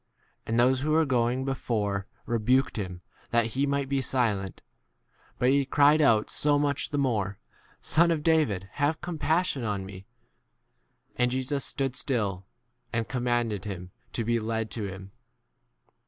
39 And those who were going before rebuked him that he might be silent, but he cried out so much the more, Son of David, have 40 compassion on me. And Jesus stood still, and commanded him to be led to him.